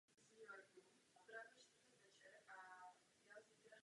Letoun je vyvíjen zvláštním oddělením Boeing Phantom Works.